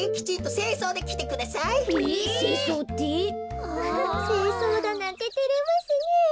せいそうだなんててれますねえ。